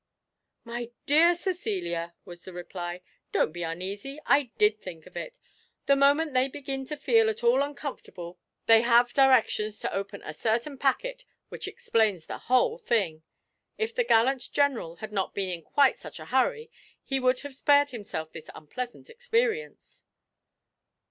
'My dear Cecilia,' was the reply,'don't be uneasy, I did think of it. The moment they begin to feel at all uncomfortable they have directions to open a certain packet which explains the whole thing. If the gallant General had not been in quite such a hurry, he would have spared himself this unpleasant experience.'